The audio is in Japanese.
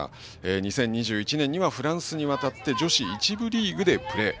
２０２１年にはフランスに渡って女子１部リーグでプレー。